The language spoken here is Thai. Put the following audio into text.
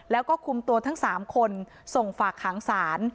แล้วก็คุมตัวทั้ง๓คนส่งฝากขังศาล